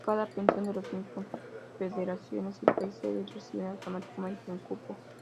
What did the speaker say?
Cada campeón de las cinco confederaciones y el país sede reciben automáticamente un cupo.